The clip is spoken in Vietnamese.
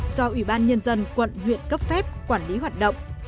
do ủy ban nhân dân quận nguyện cấp pháp quản lý hoạt động